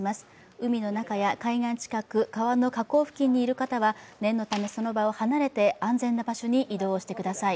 海の中や海岸近く、川の河口付近にいる方は念のため、その場を離れて安全な場所に移動してください。